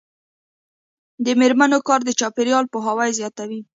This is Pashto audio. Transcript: د میرمنو کار د چاپیریال پوهاوی زیاتوي.